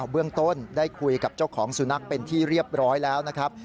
เบื้องต้นได้คุยกับเจ้าของสุนัขเป็นที่เรียบร้อยแล้วนะครับ